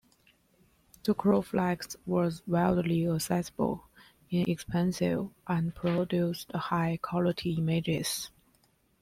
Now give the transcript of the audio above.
The Ciro-flex was widely accessible, inexpensive, and produced high quality images.